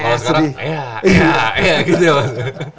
kalau sekarang ya ya gitu ya mas